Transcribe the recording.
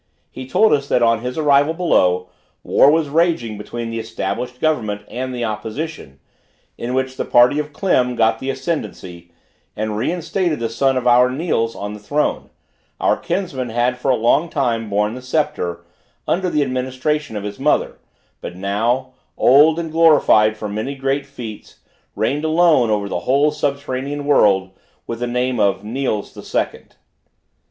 He told us that on his arrival below, war was raging between the established government and the opposition, in which the party of Klim got the ascendancy, and reinstated the son of our Niels on the throne; our kinsman had for a long time borne the sceptre, under the administration of his mother; but now, old and glorified for many great feats, reigned alone over the whole subterranean world, with the name of Niels the Second.